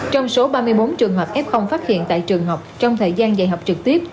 trong số ba mươi bốn trường hợp f phát hiện tại trường học trong thời gian dạy học trực tiếp